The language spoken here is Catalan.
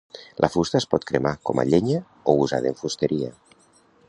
La fusta es pot cremar com a llenya o usada en fusteria.